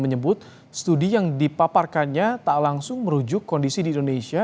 menyebut studi yang dipaparkannya tak langsung merujuk kondisi di indonesia